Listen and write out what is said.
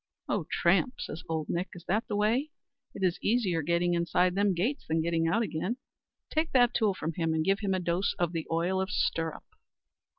"Oh, tramp!" says Ould Nick; "is that the way? It is easier getting inside them gates than getting out again. Take that tool from him, and give him a dose of the oil of stirrup."